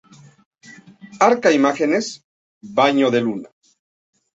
Arca Images "Baño de luna"